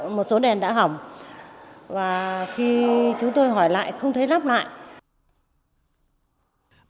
và khi chúng tôi hỏi lại không thấy lắp lại